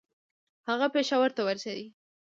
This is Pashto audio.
هغه پېښور ته ورسېدی.